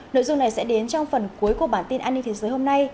nội dung này sẽ đến trong phần cuối của bản tin an ninh thế giới hôm nay